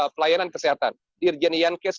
pelayanan kesehatan dirjen iyankes